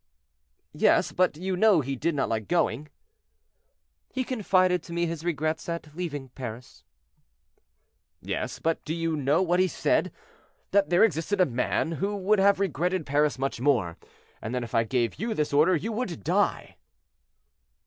"Yes; but you know he did not like going?" "He confided to me his regrets at leaving Paris." "Yes; but do you know what he said? That there existed a man who would have regretted Paris much more; and that if I gave you this order you would die."